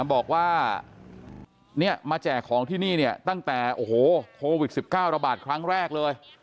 บอกว่ามาแจกของที่นี่เนี่ยตั้งแต่โอ้โหโควิด๑๙ระบาดครั้งแรกเลย